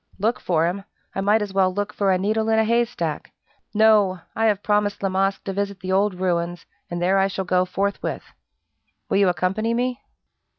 "Look for him? I might as well look for a needle in a haystack. No! I have promised La Masque to visit the old ruins, and there I shall go forthwith. Will you accompany me?"